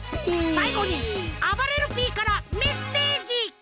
さいごにあばれるＰからメッセージ！